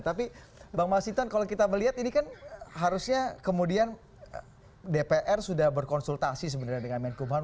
tapi bang mas hinton kalau kita melihat ini kan harusnya kemudian dpr sudah berkonsultasi sebenarnya dengan menkumham